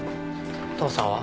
父さんは？